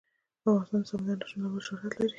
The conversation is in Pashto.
افغانستان د سمندر نه شتون له امله شهرت لري.